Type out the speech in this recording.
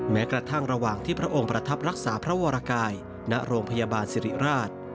แม้กระทั่งระหว่างที่พระองค์ประทับรักษาพระวรกายณโรงพยาบาลสิริราช